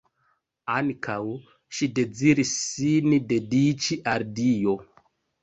Ankaŭ ŝi deziris sin dediĉi al Dio.